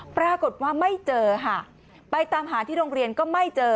ปรากฏว่าไม่เจอค่ะไปตามหาที่โรงเรียนก็ไม่เจอ